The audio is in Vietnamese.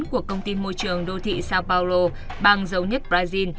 của công ty môi trường đô thị sao paulo bang giấu nhất brazil